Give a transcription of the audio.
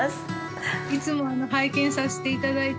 いつも拝見させて頂いて。